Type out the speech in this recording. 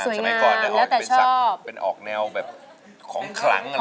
สมัยก่อนน่าจะเป็นสักเป็นออกแนวแบบโคร้งคลั้ง